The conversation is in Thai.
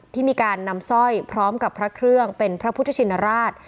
ที่มีการนำสร้อยพร้อมกับพระเครื่องเป็นพระพุทธชินราช